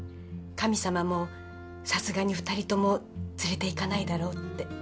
神様もさすがに２人とも連れていかないだろうって。